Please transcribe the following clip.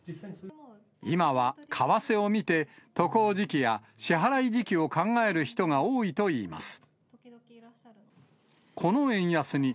今は為替を見て、渡航時期や支払い時期を考える人が多いといいます。